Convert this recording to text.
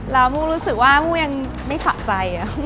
แล้วมูรู้สึกว่ามู่ยังไม่สะใจ